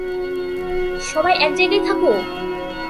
সবাই এক জায়গায় থাকো!